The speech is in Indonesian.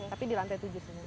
tapi di lantai tujuh sini